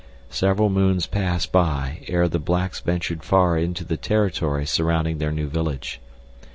Several moons passed by ere the blacks ventured far into the territory surrounding their new village.